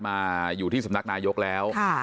มาอยู่ที่สำนักนายกแล้ว